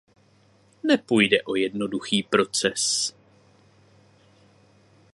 Nepůjde o jednoduchý proces.